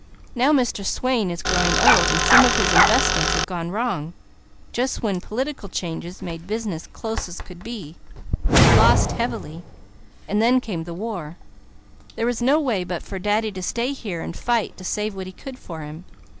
Now Mr. Swain is growing old, and some of his investments have gone wrong; just when political changes made business close as could be, he lost heavily; and then came the war. There was no way but for Daddy to stay here and fight to save what he could for him.